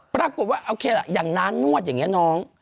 ปรากฏว่าโอเคล่ะอย่างร้านนวดอย่างนี้น้อง